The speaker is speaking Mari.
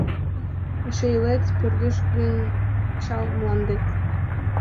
Эше илет, пӧрдеш гын чал мландет.